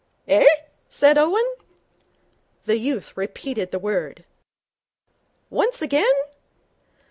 'Eh?' said Owen. The youth repeated the word. 'Once again.'